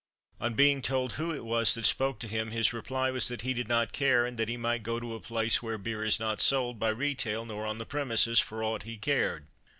On being told who it was that spoke to him his reply was that he did not care, and that he might go to a place "where beer is not sold by retail nor on the premises," for aught he cared.